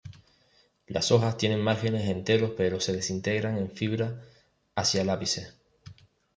Las hojas tienen márgenes enteros pero se desintegran en fibras hacia el ápice.